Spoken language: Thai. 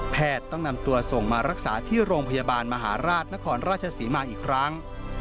ต้องนำตัวส่งมารักษาที่โรงพยาบาลมหาราชนครราชศรีมาอีกครั้ง